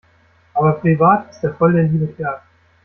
Aber privat ist er voll der liebe Kerl.